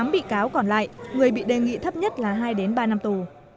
một mươi tám bị cáo còn lại người bị đề nghị thấp nhất là hai ba năm tù